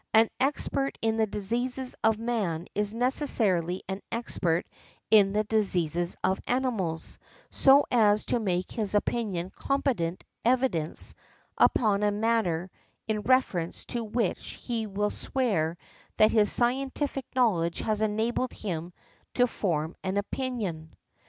An expert in the diseases of man is necessarily an expert in the diseases of animals, so as to make his opinion competent evidence upon a matter in reference to which he will swear that his scientific knowledge has enabled him to form an opinion."